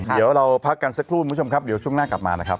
เดี๋ยวเราพักกันสักครู่คุณผู้ชมครับเดี๋ยวช่วงหน้ากลับมานะครับ